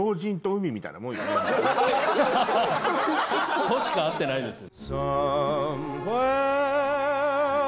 「と」しか合ってないです。